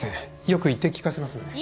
よく言って聞かせますので。